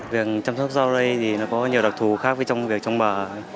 việc chăm sóc rau đây thì nó có nhiều đặc thù khác trong việc trong bờ